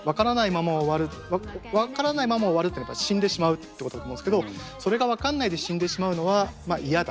「わからないままおわる」っていうのは死んでしまうってことだと思うんですけどそれが分かんないで死んでしまうのは嫌だ。